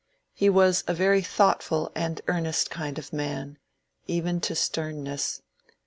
He was a very thoughtful and earnest kind of man, even to sternness.